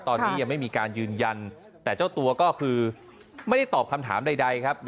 ตอนนี้ยังไม่มีการยืนยันแต่เจ้าตัวก็คือไม่ได้ตอบคำถามใดครับ